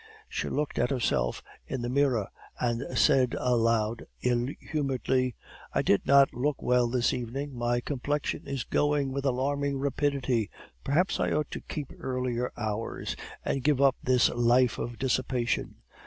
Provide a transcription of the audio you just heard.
She looked at herself in the mirror and said aloud ill humoredly 'I did not look well this evening, my complexion is going with alarming rapidity; perhaps I ought to keep earlier hours, and give up this life of dissipation.